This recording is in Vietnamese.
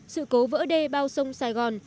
sự cố vỡ đê bao sông sài gòn